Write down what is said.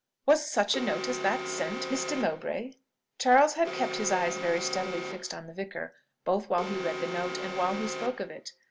Was such a note as that sent, Mr. Mowbray?" Charles had kept his eye very steadily fixed on the vicar, both while he read the note, and while he spoke of it.